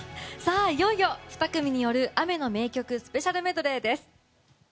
いよいよ２組による雨の名曲スペシャルメドレーです。